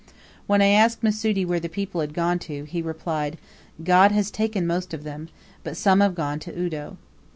When I asked Mussoudi where the people had gone to, he replied, "God has taken most of them, but some have gone to Udoe."